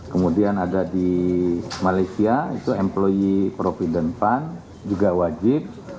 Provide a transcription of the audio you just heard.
kemudian ada di malaysia itu employe provident fund juga wajib